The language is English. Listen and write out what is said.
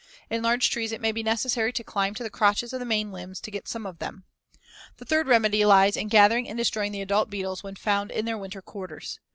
In large trees it may be necessary to climb to the crotches of the main limbs to get some of them. The third remedy lies in gathering and destroying the adult beetles when found in their winter quarters.